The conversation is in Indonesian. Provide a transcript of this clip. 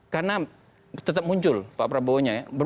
karena tetap muncul pak prabowo nya ya